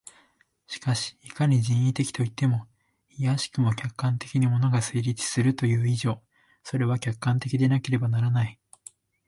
しかしいかに人為的といっても、いやしくも客観的に物が成立するという以上、それは客観的でなければならない。